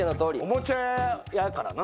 おもちゃ屋やからな。